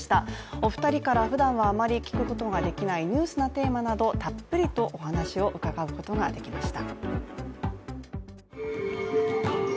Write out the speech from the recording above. お二人からふだんはあまり聞くことのできないニュースなテーマなどたっぷりとお話を伺うことができました。